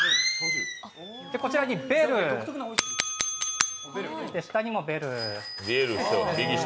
こちらにベル、下にもベル。